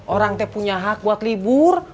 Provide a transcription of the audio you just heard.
orang punya hak buat libur